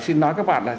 xin nói các bạn là